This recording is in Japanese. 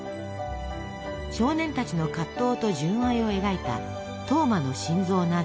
少年たちの葛藤と純愛を描いた「トーマの心臓」など。